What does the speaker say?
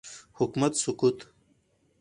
حکومت سقوط